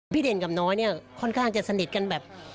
เด่นกับน้อยเนี่ยค่อนข้างจะสนิทกันแบบ